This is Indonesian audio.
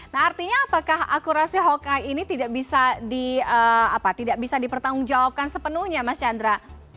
nah artinya apakah akurasi hawki ini tidak bisa dipertanggungjawabkan sepenuhnya mas chandra